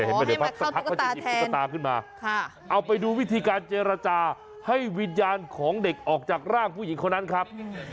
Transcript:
อ๋อให้เข้าตุ๊กตาแทนเอาไปดูวิธีการเจรจาให้วิญญาณของเด็กออกจากร่างผู้หญิงคนนั้นครับ